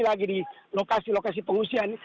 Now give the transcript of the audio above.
lagi di lokasi lokasi pengungsian